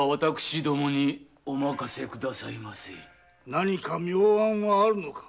何か妙案はあるのか？